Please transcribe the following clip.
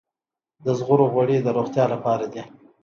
د زغرو غوړي د روغتیا لپاره دي.